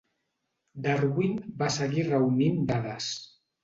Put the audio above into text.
Darwin va seguir reunint dades.